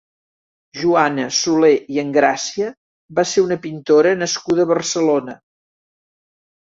Joana Soler i Engràcia va ser una pintora nascuda a Barcelona.